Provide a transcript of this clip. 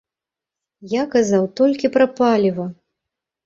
Я казаў толькі пра паліва!